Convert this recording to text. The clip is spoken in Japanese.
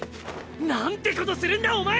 何てことするんだお前！